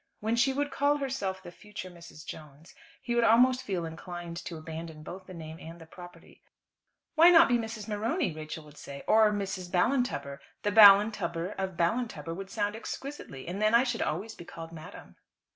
When she would call herself the "future Mrs. Jones," he would almost feel inclined to abandon both the name and the property. "Why not be Mrs. Morony," Rachel would say, "or Mrs. Ballintubber? The Ballintubber, of Ballintubber, would sound exquisitely, and then I should always be called 'Madam.'"